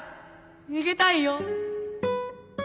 逃げたいよ